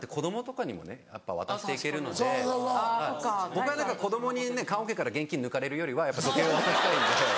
僕は子供にね棺おけから現金抜かれるよりは時計を渡したいんで。